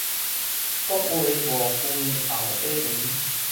講話無關後尾門